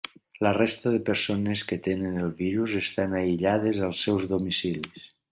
La resta de persones que tenen el virus estan aïllades als seus domicilis.